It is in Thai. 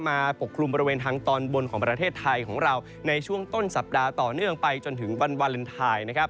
ปกคลุมบริเวณทางตอนบนของประเทศไทยของเราในช่วงต้นสัปดาห์ต่อเนื่องไปจนถึงวันวาเลนไทยนะครับ